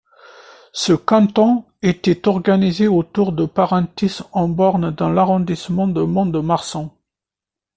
Ce canton était organisé autour de Parentis-en-Born dans l'arrondissement de Mont-de-Marsan.